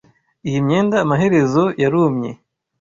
Iyi myenda amaherezo yarumye.